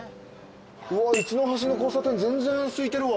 うわ一の橋の交差点全然すいてるわ。